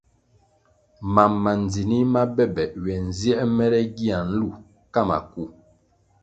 Mam ma ndzinih ma be be ywe nziē mere gia nlu ka maku.